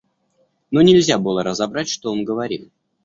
Но нельзя было разобрать, что он говорил.